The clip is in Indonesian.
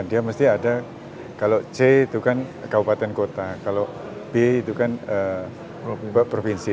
dia mesti ada kalau c itu kan kabupaten kota kalau b itu kan provinsi